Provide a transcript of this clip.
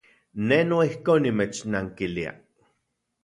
Ne noijkon nimechnankilia.